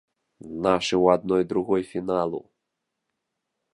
Нашы ў адной другой фіналу!!!